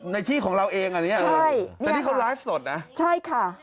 ที่ของเราเองอันนี้ใช่แต่นี่เขาไลฟ์สดนะใช่ค่ะ